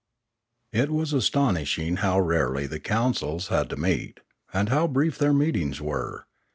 It was astonishing how rarely the councils had to meet, and how brief their meetings were.